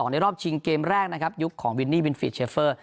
ในรอบชิงเกมแรกนะครับยุคของวินนี่วินฟีดเชฟเฟอร์